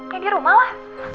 ya di rumah lah